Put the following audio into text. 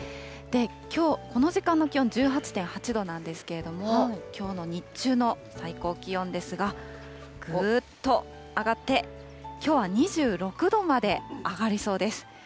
きょう、この時間の気温１８．８度なんですけれども、きょうの日中の最高気温ですが、ぐーっと上がって、きょうは２６度まで上がりそうです。